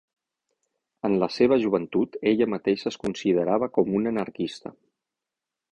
En la seva joventut ella mateixa es considerava com una anarquista.